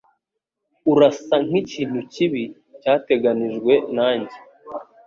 Urasa nkikintu kibi, cyateganijwe nanjye